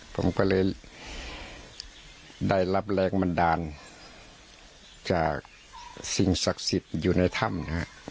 ผมก็เลยได้รับแรงบันดาลจากสิ่งศักดิ์สิทธิ์อยู่ในถ้ำนะฮะ